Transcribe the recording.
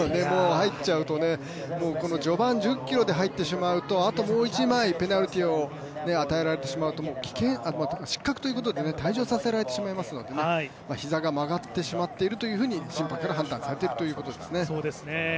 入っちゃうとこの序盤１０ｋｍで入ってしまうと、あともう１枚、ペナルティーを与えられてしまうともう失格ということで退場させられてしまいますので膝が曲がってしまっているというふうに審判から判断されているということですね。